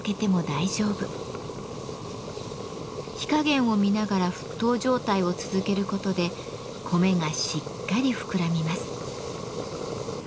火加減を見ながら沸騰状態を続けることで米がしっかり膨らみます。